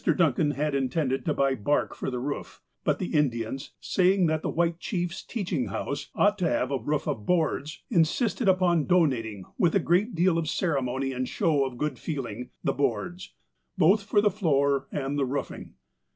Duncan had intended to buy bark for the roof, but the Indians, saying that the white chief's teaching house ought to have a roof of boards, insisted upon donating, with a great deal of ceremony and show of good feeling, the boards, both for the floor and the roofing.